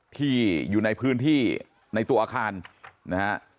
ที่อยู่ในพื้นที่ในตัวอาคารนะฮะ